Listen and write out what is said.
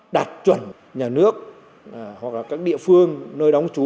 đặt chuẩn nhà nước hoặc các địa phương nơi đóng trú